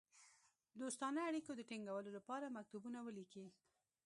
دوستانه اړېکو د تینګولو لپاره مکتوبونه ولیکي.